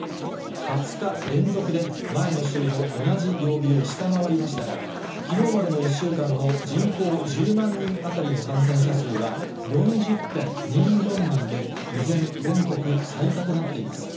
２０日連続で前の週の同じ曜日を下回りましたが、きのうまでの１週間の人口１０万人当たりの感染者数は、４０．２４人で、依然、全国最多となっています。